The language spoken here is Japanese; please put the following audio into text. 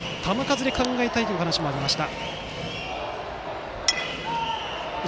継投は球数で考えたいというお話もありました。